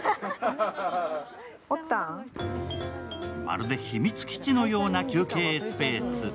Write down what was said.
まるで秘密基地のような休憩スペース。